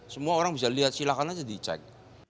semua orang bisa lihat silahkan aja dicek